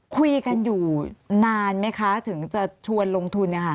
คุยกันอยู่นานไหมคะถึงจะชวนลงทุนเนี่ยค่ะ